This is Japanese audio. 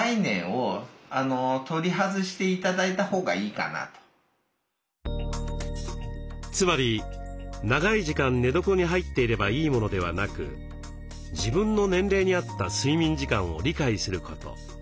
だから自分の意識の中でつまり長い時間寝床に入っていればいいものではなく自分の年齢に合った睡眠時間を理解すること。